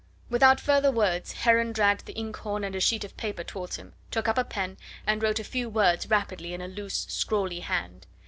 Without further words Heron dragged the inkhorn and a sheet of paper towards him, took up a pen, and wrote a few words rapidly in a loose, scrawly hand.